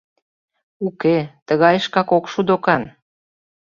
Уке, тыгайышкак ок шу докан.